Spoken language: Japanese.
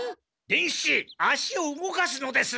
伝七足を動かすのです！